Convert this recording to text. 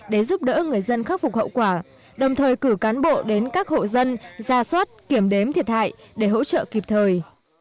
để giúp đỡ người dân khắc phục hậu quả đồng thời cử cán bộ đến các hộ dân ra soát kiểm đếm thiệt hại để hỗ trợ kịp thời